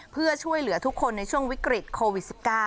เพื่อช่วยเหลือทุกคนในช่วงวิกฤตโควิด๑๙